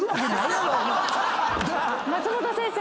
松本先生